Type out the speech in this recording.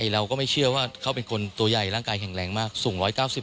เราก็ไม่เชื่อว่าเขาเป็นคนตัวใหญ่ร่างกายแข็งแรงมากสูง๑๙๐